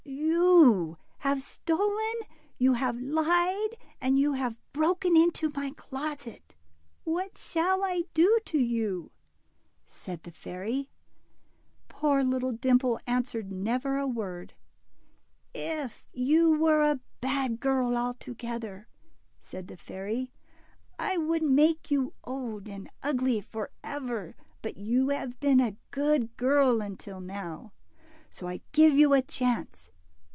You have stolen, you have lied, and you have broken into my closet ; Avhat shall I do to you ?" said the fairy. Poor little Dimple answered never a word. If you were a bad girl altogether," said the fairy, I would make you old and ugly forever ; but you have been a good girl until now, so I give you a chance.